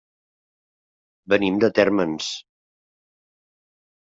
Venim de Térmens.